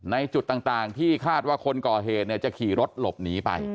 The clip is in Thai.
ในจุดต่างที่คาดว่าคนก่อเหตุจะขี่รถหลบหนีไป